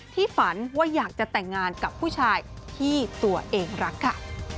ฝันว่าอยากจะแต่งงานกับผู้ชายที่ตัวเองรักค่ะ